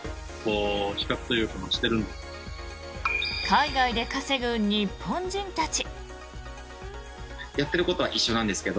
海外で稼ぐ日本人たち。